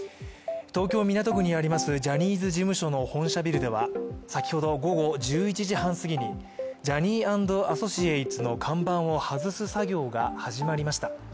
東京・港区にありますジャニーズ事務所の本社ビルでは先ほど午後１１時半すぎにＪｏｈｎｎｙ＆Ａｓｓｏｃｉａｔｅｓの看板を外す作業が始まりました。